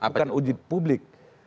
bukan uji publik